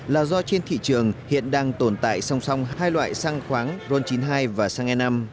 là do trên thị trường hiện đang tồn tại song song hai loại xăng khoáng ron chín mươi hai và xăng e năm